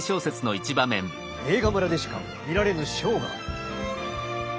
映画村でしか見られぬショーがある。